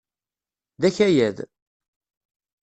D akayad.